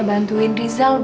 ya tunggu dulu